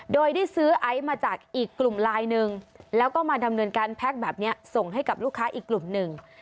โดยได้ซื้อไอซ์มาจากอีกกลุ่มลายหนึ่งแล้วก็มาดำเนินการแพ็คแบบนี้ส่งให้กับลูกค้าอีกกลุ่มหนึ่ง